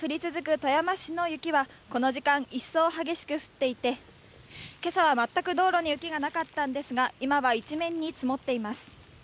富山市の雪は、この時間、一層激しく降っていて、けさはまったく道路に雪がなかったんですが、今は一面に積もっています。